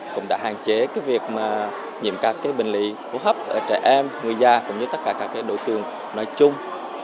cũng đã hạn chế cái việc mà nhiệm các cái bệnh lý hỗ hấp ở trẻ em người già cũng như tất cả các cái đội tường nói chung